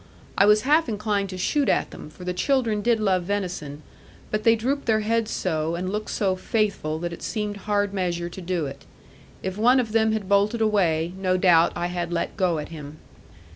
I was half inclined to shoot at them, for the children did love venison; but they drooped their heads so, and looked so faithful, that it seemed hard measure to do it. If one of them had bolted away, no doubt I had let go at him.